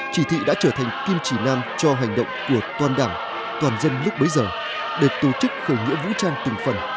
chỉ thị đã trở thành kim chỉ nam cho hành động của toàn đảng toàn dân lúc bấy giờ để tổ chức khởi nghĩa vũ trang từng phần